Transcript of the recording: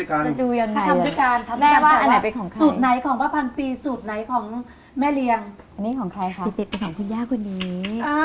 ครับไปแม่ทางนี้